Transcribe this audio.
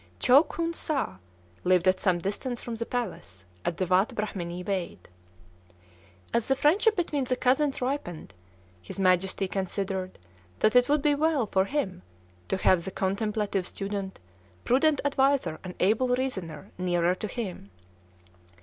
Chow Khoon Sâh lived at some distance from the palace, at the Watt Brahmanee Waid. As the friendship between the cousins ripened, his Majesty considered that it would be well for him to have the contemplative student, prudent adviser, and able reasoner nearer to him.